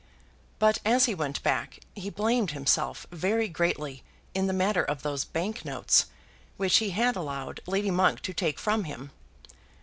But, as he went back, he blamed himself very greatly in the matter of those bank notes which he had allowed Lady Monk to take from him.